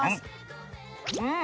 うん！